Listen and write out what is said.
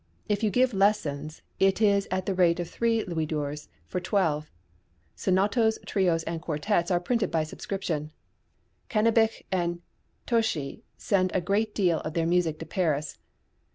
If you give lessons, it is at the rate of three louis d'ors for twelve. Sonatas, trios, and quartets are printed by subscription. Cannabich and Toeschi send a great deal of their music to Paris.